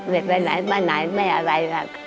เดินไปไหนมาไหนไม่อะไรค่ะ